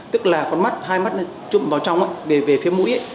tức là con mắt hai mắt chụp vào trong về phía mũi